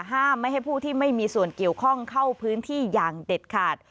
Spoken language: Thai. ห้ามไม่ให้ผู้ที่ไม่มีส่วนเกี่ยวข้องเข้าพื้นที่อย่างเด็ดขาด